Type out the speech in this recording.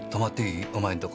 お前んとこ。